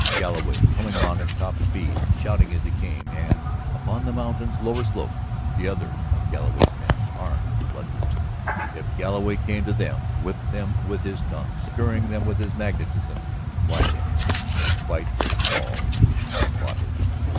Galloway coming on at top speed, shouting as he came, and, upon the mountain's lower slope the others of Galloway's men, armed and bloodthirsty. If Galloway came to them, whipped them with his tongue, stirring them with his magnetism ... why, then, the fight was all to be fought over.